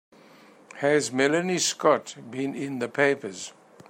Has Melanie Scott been in the papers?